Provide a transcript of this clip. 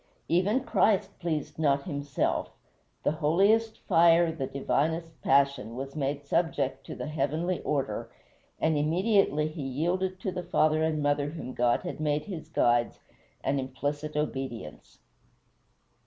Even Christ pleased not himself; the holiest fire, the divinest passion, was made subject to the heavenly order, and immediately he yielded to the father and mother whom God had made his guides an implicit obedience.